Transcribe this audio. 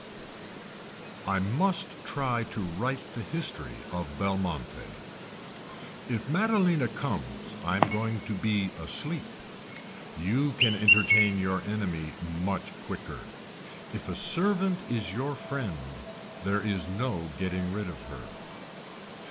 I MUST TRY TO WRITE THE HISTORY OF BELMONTE If Maddalena comes I am going to be asleep. You can entertain your enemy much quicker. If a servant is your friend there is no getting rid of her.